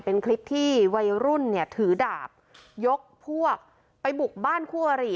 เป็นคลิปที่วัยรุ่นเนี่ยถือดาบยกพวกไปบุกบ้านคู่อริ